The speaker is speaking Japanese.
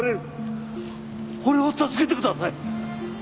俺を助けてください。